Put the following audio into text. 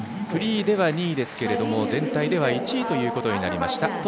フリーでは２位ですが全体では１位となりました。